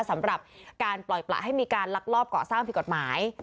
สำหรับการปล่อยประให้มีการลักลอบเกาะสร้างผิดกฎหมาย